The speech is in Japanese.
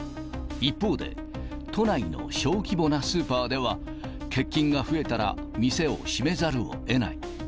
一方で、都内の小規模なスーパーでは、欠勤が増えたら、店を閉めざるをえない。